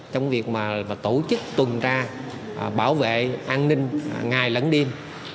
trong việc tổ chức tuần tra bảo vệ an ninh ngày lẫn đêm